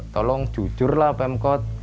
tolong jujurlah pemkot